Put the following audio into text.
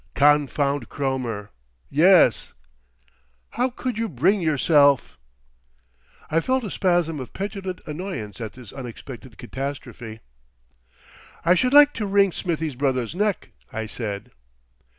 "Confound Cromer! Yes!" "How could you bring yourself" I felt a spasm of petulant annoyance at this unexpected catastrophe. "I should like to wring Smithie's brother's neck," I said....